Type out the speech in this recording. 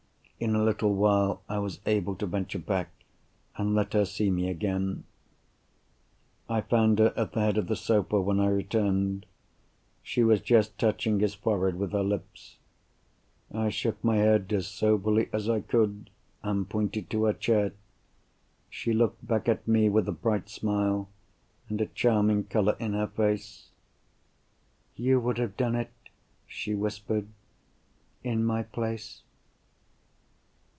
In a little while I was able to venture back, and let her see me again. I found her at the head of the sofa, when I returned. She was just touching his forehead with her lips. I shook my head as soberly as I could, and pointed to her chair. She looked back at me with a bright smile, and a charming colour in her face. "You would have done it," she whispered, "in my place!"